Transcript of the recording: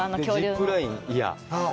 ジップライン。